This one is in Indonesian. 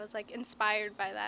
dan saya terinspirasi oleh itu